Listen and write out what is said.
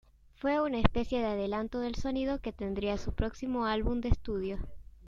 Fue una especie de adelanto del sonido que tendría su próximo álbum de estudio.